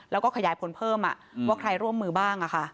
แล้วก็ขยายผลเพิ่มอ่ะอืมว่าใครร่วมมือบ้างอ่ะค่ะ